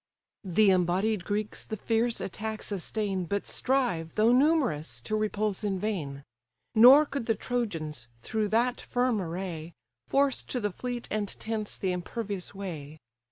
The embodied Greeks the fierce attack sustain, But strive, though numerous, to repulse in vain: Nor could the Trojans, through that firm array, Force to the fleet and tents the impervious way.